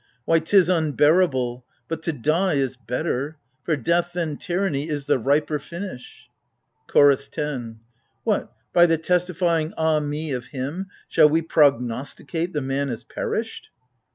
Why, 'tis unbearable : but to die is better : For death than tyranny is the riper finish ! CHORDS 10. What, by the testifying " Ah me " of him, Shall we prognosticate the man as perished